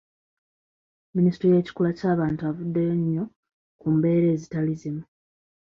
Minisitule y’ekikula ky’abantu avuddeyo nnyo ku mbeera ezitali zimu.